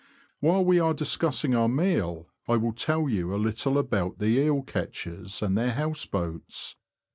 While we are discussing our meal, I will tell you a little about the eel catchers and their house boats.